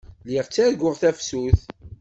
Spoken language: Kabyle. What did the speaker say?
Lliɣ ttarguɣ tafsut.